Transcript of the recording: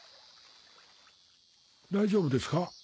大丈夫ですか？